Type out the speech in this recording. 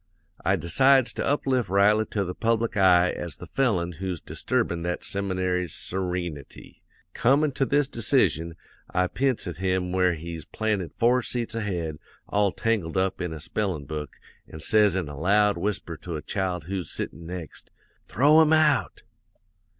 I decides to uplift Riley to the public eye as the felon who's disturbin' that seminary's sereenity. Comin' to this decision, I p'ints at him where he's planted four seats ahead, all tangled up in a spellin' book, an' says in a loud whisper to a child who's sittin' next: "'"Throw him out!"